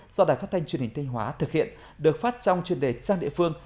do đài phát thanh truyền hình thanh hóa thực hiện được phát trong chuyên đề trang địa phương